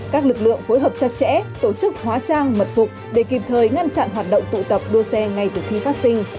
các lực lượng phối hợp chặt chẽ tổ chức hóa trang mật phục để kịp thời ngăn chặn hoạt động tụ tập đua xe ngay từ khi phát sinh